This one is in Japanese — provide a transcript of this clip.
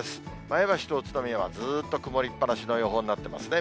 前橋と宇都宮はずーっと曇りっぱなしの予報になっていますね。